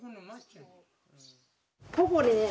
ここにね